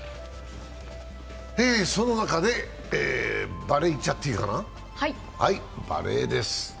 その中でバレーいっちゃっていいかな？